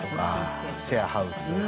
シェアハウス。